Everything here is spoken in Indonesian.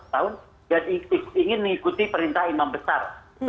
dan ingin mengikuti perintah imam besar